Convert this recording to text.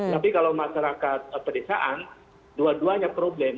tapi kalau masyarakat pedesaan dua duanya problem